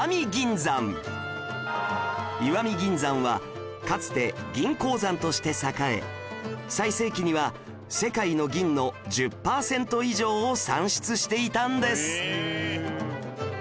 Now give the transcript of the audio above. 石見銀山はかつて銀鉱山として栄え最盛期には世界の銀の１０パーセント以上を産出していたんです